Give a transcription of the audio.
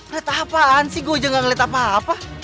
liat apaan sih gue juga gak ngeliat apa apa